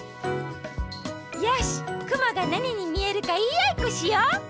よしくもがなににみえるかいいあいっこしよう！